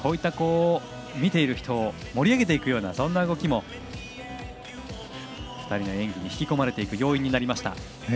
見ている人を盛り上げていくようなそんな動きも２人の演技に引き込まれる要因になりました。